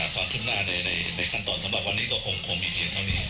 ความทึมหน้าในขั้นต่อสำหรับวันนี้ก็คงมีเทียงเท่านี้นะครับ